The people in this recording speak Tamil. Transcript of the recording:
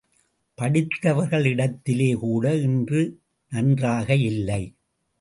படித்தவர்களிடத்திலே கூட இன்று நன்றாக இல்லை.